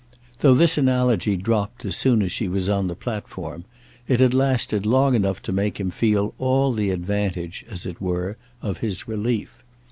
Though this analogy dropped as soon as she was on the platform it had lasted long enough to make him feel all the advantage, as it were, of his relief.